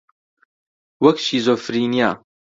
وەک شیزۆفرینیا